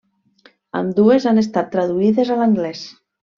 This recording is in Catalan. Ambdues han estat traduïdes a l'anglès.